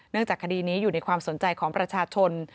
จากคดีนี้อยู่ในความสนใจของประชาชน